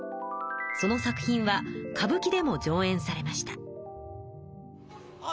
その作品は歌舞伎でも上演されました。